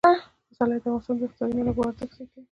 پسرلی د افغانستان د اقتصادي منابعو ارزښت زیاتوي.